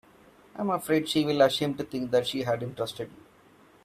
I'm afraid she'd feel ashamed to think she hadn't trusted you.